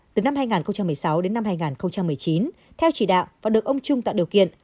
từ năm hai nghìn một mươi sáu đến năm hai nghìn một mươi chín theo chỉ đạo và được ông trung tạo điều kiện